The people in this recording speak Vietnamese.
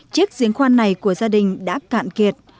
chiếc diễn khoan này của gia đình đã cạn kiệt